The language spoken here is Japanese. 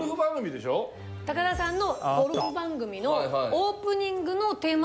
高田さんの。